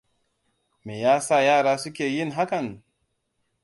Me yasa yara suke yin hakan?